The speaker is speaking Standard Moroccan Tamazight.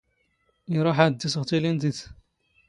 ⵉⵕⴰⵃ ⴰⴷ ⴷ ⵉⵙⵖ ⵜⵉⵍⵉⵏⵜⵉⵜ.